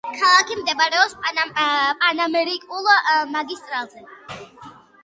ქალაქი მდებარეობს პანამერიკულ მაგისტრალზე.